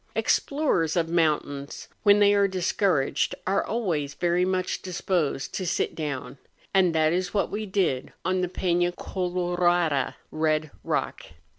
Explorers of mountains when they are discouraged are always very much disposed to sit down, and that is what we did on the Pena Colorada (Eed Eock).